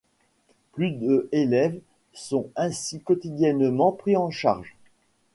Plus de élèves sont ainsi quotidiennement pris en charge.